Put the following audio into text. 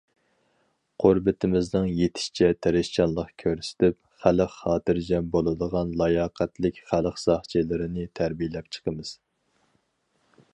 قۇربىتىمىزنىڭ يېتىشىچە تىرىشچانلىق كۆرسىتىپ، خەلق خاتىرجەم بولىدىغان لاياقەتلىك خەلق ساقچىلىرىنى تەربىيەلەپ چىقىمىز.